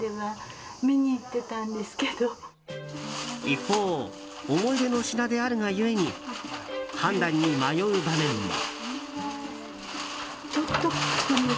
一方思い出の品であるが故に判断に迷う場面も。